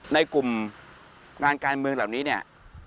ในกลุ่มงานการเมืองเหล่านี้เนี่ย